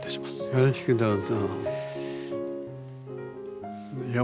よろしくどうぞ。